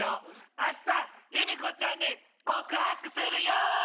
あしたゆみこちゃんに告白するよ！